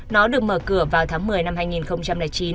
nó được mở cửa vào tháng một mươi năm hai nghìn chín